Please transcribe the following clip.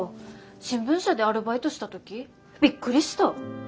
新聞社でアルバイトした時びっくりした。